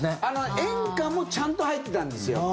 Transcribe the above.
演歌もちゃんと入ってたんですよ。